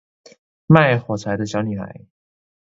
賣火柴的小女孩